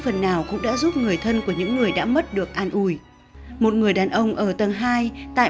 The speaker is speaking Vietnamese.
phần nào cũng đã giúp người thân của những người đã mất được an ủi một người đàn ông ở tầng hai tại